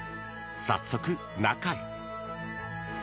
早速、中へ。